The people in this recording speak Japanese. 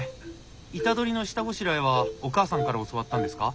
イタドリの下ごしらえはお母さんから教わったんですか？